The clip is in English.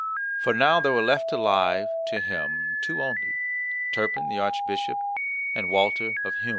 For now there were left alive to him two only, Turpin the Archbishop and Walter of Hum.